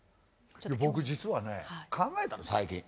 僕実はね考えたの最近。